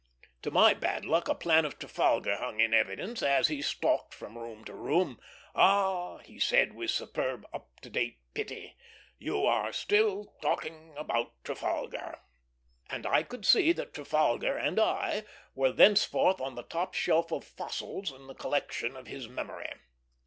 To my bad luck a plan of Trafalgar hung in evidence, as he stalked from room to room. "Ah," he said, with superb up to date pity, "you are still talking about Trafalgar;" and I could see that Trafalgar and I were thenceforth on the top shelf of fossils in the collections of his memory.